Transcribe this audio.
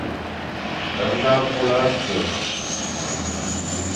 Be ñga vôl-e-ke,